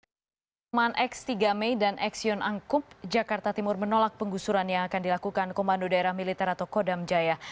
perumahan x tiga mei dan xion angkub jakarta timur menolak penggusurannya akan dilakukan komando daerah militer atau kodam jaya